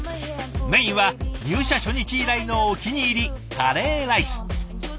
メインは入社初日以来のお気に入りカレーライス。